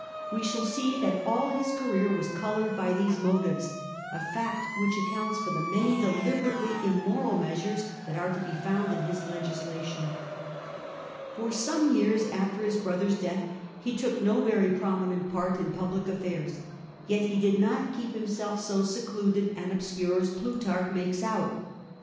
We shall see that all his career was coloured by these motives, a fact which accounts for the many deliberately immoral measures that are to be found in his legislation. For some years after his brother's death he took no very prominent part in public affairs ; yet he did not keep him self so secluded and obscure as Plutarch makes out.